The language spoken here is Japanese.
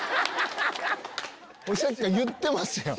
俺さっきから言ってますやん。